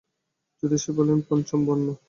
জ্যোতিষী বললে, পঞ্চম বর্ণ।